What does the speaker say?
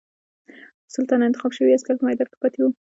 سل تنه انتخاب شوي عسکر په میدان کې پاتې وو.